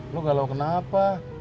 lo galau kenapa